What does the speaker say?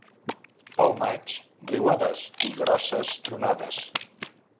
Pel maig riuades i grosses tronades.